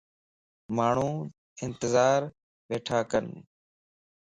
ماڻھون انتظار بيٺاڪن